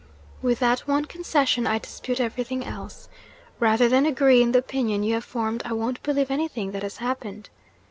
With that one concession, I dispute everything else. Rather than agree in the opinion you have formed, I won't believe anything that has happened.